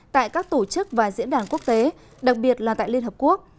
tại các tổ chức và diễn đàn quốc tế đặc biệt là tại liên hợp quốc